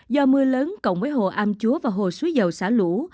do mưa lớn cộng với hồ am chúa và hồ suối dầu xả lũ